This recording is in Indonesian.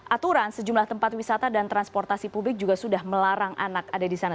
aturan sejumlah tempat wisata dan transportasi publik juga sudah melarang anak ada di sana